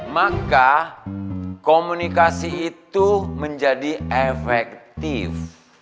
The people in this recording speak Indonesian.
maka komunikasi itu menjadi efektif